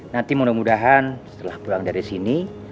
nanti mudah mudahan setelah pulang dari sini